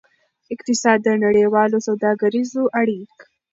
اقتصاد د نړیوالو سوداګریزو اړیک